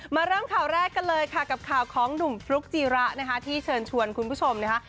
มาเริ่มข่าวแรกกันเลยค่ะกับข่าวของหนุ่มฟลุ๊กจีระนะคะที่เชิญชวนคุณผู้ชมนะคะ